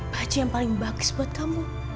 baca yang paling bagus buat kamu